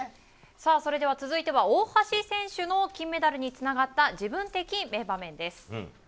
それでは続いては大橋選手の金メダルにつながった自分的名場面です。